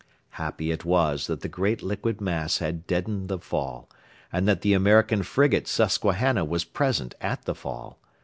Happy it was that the great liquid mass had deadened the fall, and that the American frigate Susquehanna was present at the fall.